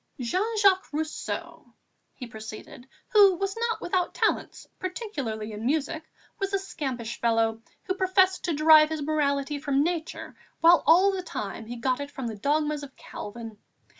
"Jean Jacques Rousseau," he proceeded, "who was not without talents, particularly in music, was a scampish fellow who professed to derive his morality from Nature while all the time he got it from the dogmas of Calvin.